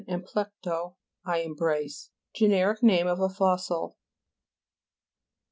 ampledo, I em brace. Generic name of a fossil.